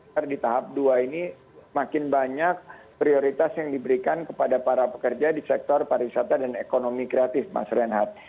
karena di tahap dua ini makin banyak prioritas yang diberikan kepada para pekerja di sektor pariwisata dan ekonomi kreatif mas renhat